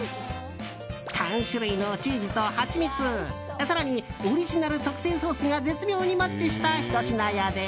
３種類のチーズとハチミツ更にオリジナル特製ソースが絶妙にマッチしたひと品やで。